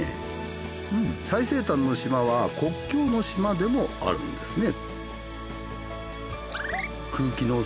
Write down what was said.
うん最西端の島は国境の島でもあるんですね。